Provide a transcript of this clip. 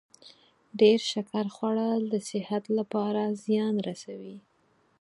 ډیر شکر خوړل د صحت لپاره زیان رسوي.